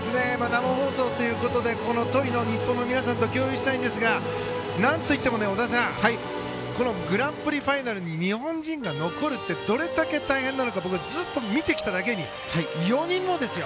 生放送ということでトリノで日本の皆さんと共有したいんですが何といっても織田さんグランプリファイナルに日本人が残るってどれだけ大変なのか僕はずっと見てきただけに４人もですよ。